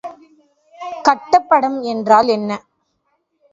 கட்டப்படம் என்றால் என்ன?